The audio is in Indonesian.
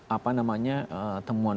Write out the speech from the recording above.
apa namanya temuan